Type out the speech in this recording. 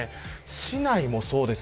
市内もそうです。